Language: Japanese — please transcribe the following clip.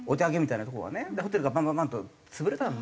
でホテルがバンバンバンと潰れたので。